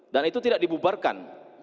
dan itu tidak dibubarkan